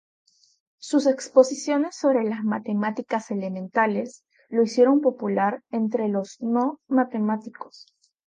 Sus exposiciones sobre matemáticas elementales lo hicieron popular entre los no matemáticos.